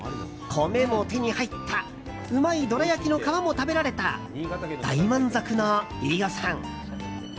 米も手に入ったうまいどら焼きの皮も食べられた大満足の飯尾さん。